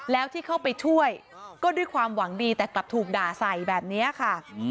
แล้วที่เข้าไปช่วยก็ด้วยความหวังดีแต่กลับถูกด่าใส่แบบนี้ค่ะ